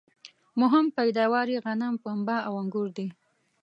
مهم پیداوار یې غنم ، پنبه او انګور دي